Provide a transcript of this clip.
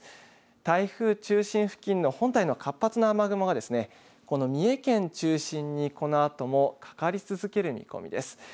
台風中心付近の本体の活発な雨雲がこの三重県中心にこのあともかかり続ける見込みです。